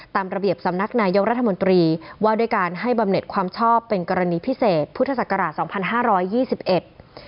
ตามระเบียบสำนักนายเยาว์รัฐมนตรีว่าด้วยการให้บำเน็ตความชอบเป็นกรณีพิเศษพุทธศักราช๒๕๒๑